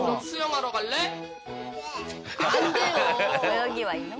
泳ぎはいいの？